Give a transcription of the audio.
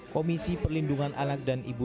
komisi perlindungan anak dan ibu